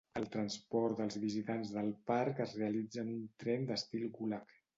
El transport dels visitants del parc es realitza en un tren d'estil Gulag.